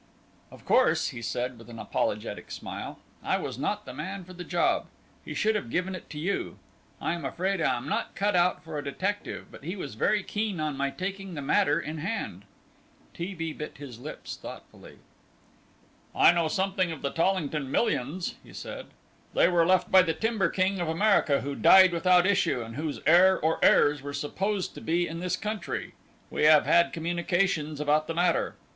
"Of course," he said, with an apologetic smile, "I was not the man for the job he should have given it to you. I am afraid I am not cut out for a detective, but he was very keen on my taking the matter in hand." T. B. bit his lips thoughtfully. "I know something of the Tollington millions," he said; "they were left by the timber king of America who died without issue, and whose heir or heirs were supposed to be in this country. We have had communications about the matter."